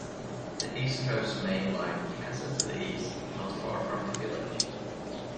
The East Coast Main Line passes to the east, not far from the village.